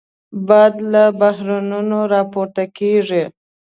باد له بحرونو راپورته کېږي